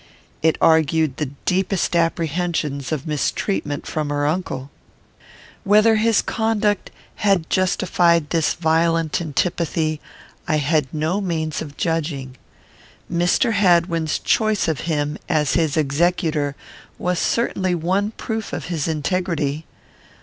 It argued the deepest apprehensions of mistreatment from her uncle. Whether his conduct had justified this violent antipathy, I had no means of judging. Mr. Hadwin's choice of him, as his executor, was certainly one proof of his integrity.